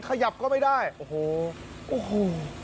ขยับก็ไม่ได้โอ้โห